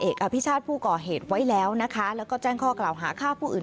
อภิชาติผู้ก่อเหตุไว้แล้วนะคะแล้วก็แจ้งข้อกล่าวหาฆ่าผู้อื่น